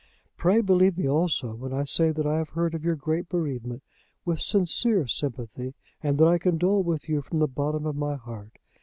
Pray believe me also when I say that I have heard of your great bereavement with sincere sympathy, and that I condole with you from the bottom of my heart.